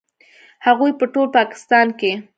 هغوی په ټول پاکستان کې